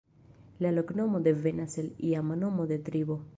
La loknomo devenas el iama nomo de tribo.